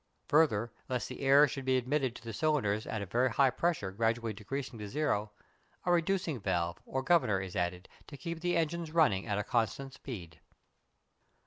Further, lest the air should be admitted to the cylinders at a very high pressure gradually decreasing to zero, a "reducing valve" or governor is added to keep the engines running at a constant speed.